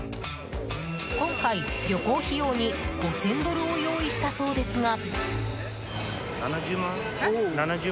今回、旅行費用に５０００ドルを用意したそうですが。